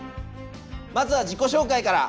まずは自己紹介から。